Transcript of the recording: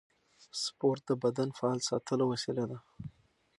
سپورت د بدن فعال ساتلو وسیله ده.